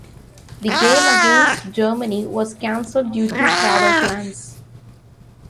The game against Germany was cancelled due to travel plans.